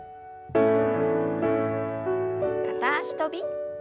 片脚跳び。